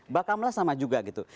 bahkan malah sama juga gitu